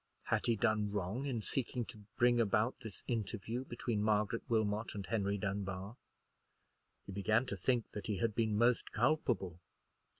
Had he done wrong in seeking to bring about this interview between Margaret Wilmot and Henry Dunbar? He began to think that he had been most culpable.